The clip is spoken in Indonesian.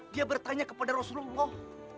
dia bertanya kepada rasulullah